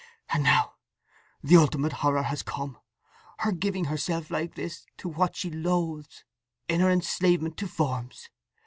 And now the ultimate horror has come—her giving herself like this to what she loathes, in her enslavement to forms!